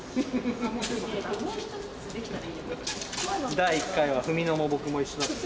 第１回は文野も僕も一緒だった。